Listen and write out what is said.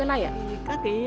các cái này